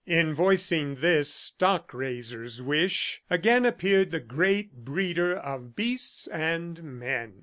In voicing this stock raiser's wish, again appeared the great breeder of beasts and men.